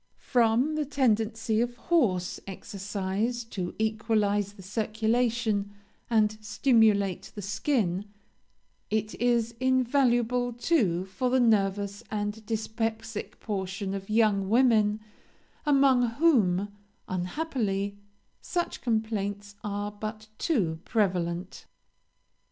From the tendency of horse exercise to equalize the circulation and stimulate the skin, it is invaluable, too, for the nervous and dyspeptic portion of young women, among whom, unhappily, such complaints are but too prevalent.